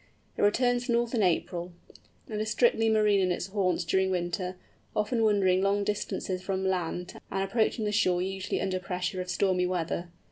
It returns north in April. It is strictly marine in its haunts during winter, often wandering long distances from land, and approaching the shore usually under pressure of stormy weather.